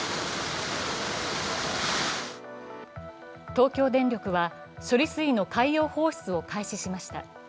東京電力は処理水の海洋放出を開始しました。